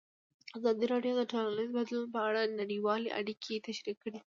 ازادي راډیو د ټولنیز بدلون په اړه نړیوالې اړیکې تشریح کړي.